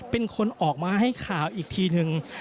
เป็นคนออกมาให้ข่าวอีกทีนึง